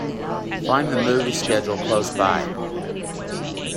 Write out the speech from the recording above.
Find the movie schedule close by